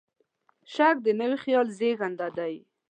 شک د نوي خیال زېږنده دی.